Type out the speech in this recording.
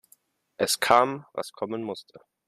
Es kam, was kommen musste.